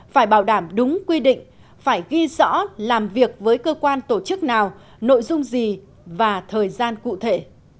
phải bảo đảm đúng quy định phải ghi rõ làm việc với cơ quan tổ chức nào nội dung gì và thời gian cụ thể